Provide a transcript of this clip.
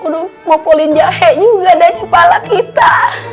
aduh ini mau polin jahe juga dari kepala kita